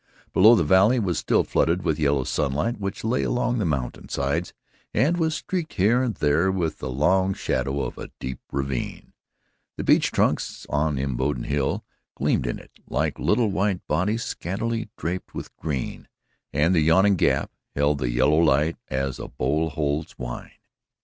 Below, the valley was still flooded with yellow sunlight which lay along the mountain sides and was streaked here and there with the long shadow of a deep ravine. The beech trunks on Imboden Hill gleamed in it like white bodies scantily draped with green, and the yawning Gap held the yellow light as a bowl holds wine.